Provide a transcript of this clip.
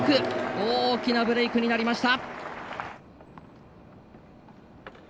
大きなブレークになりました。